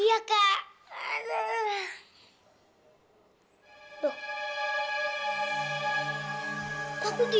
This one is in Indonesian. kak satil jahat